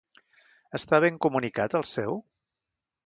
Està ben comunicat el seu.?